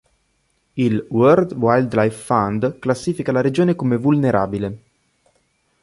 Il World Wildlife Fund classifica la regione come "Vulnerabile".